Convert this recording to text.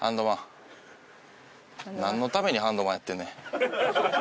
なんのためにハンドマンやってんねん。